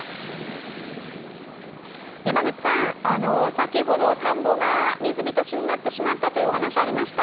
先ほど田んぼが水浸しになってしまったというお話ありました。